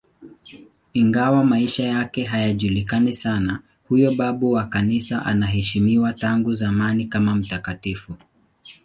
Ingawa maisha yake hayajulikani sana, huyo babu wa Kanisa anaheshimiwa tangu zamani kama mtakatifu.